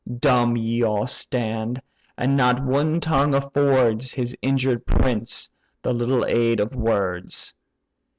Dumb ye all stand, and not one tongue affords His injured prince the little aid of words."